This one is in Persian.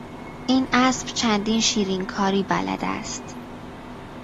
این اسب چندین شیرینکاری بلد است.